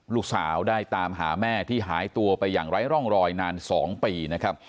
ลูกสาวได้ตามหาแม่ที่หายตัวไปอย่างไร้ร่องรอยนาน๒ปีนะครับ